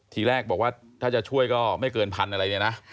ทีแรกบอกว่าถ้าจะช่วยก็ไม่เกินพันอะไรเนี่ยนะ